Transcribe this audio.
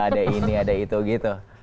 ada ini ada itu gitu